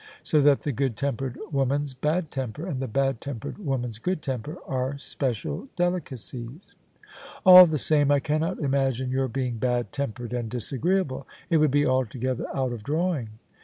So that the good tempered woman's bad temper and the bad tempered woman's good temper are special delicacies." " All the same, I cannot imagine your being bad tempered and disagreeable. It would be altogether out of drawing."